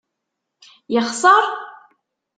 Yexser?